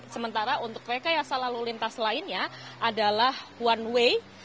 sementara untuk rekayasa lalu lintas lainnya adalah one way